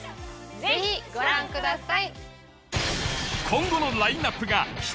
ぜひご覧ください。